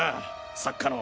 作家の。